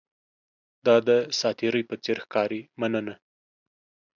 دا د ساتیرۍ په څیر ښکاري، مننه!